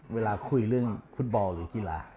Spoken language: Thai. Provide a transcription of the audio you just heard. เวลาคุยเรื่องฟุตบอลหรือกีฬา